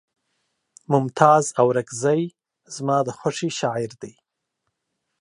ممتاز اورکزے زما د خوښې شاعر دے